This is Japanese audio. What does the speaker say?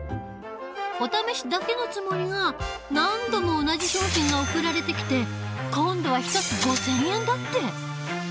お試しだけのつもりが何度も同じ商品が送られてきて今度は１つ５，０００円だって！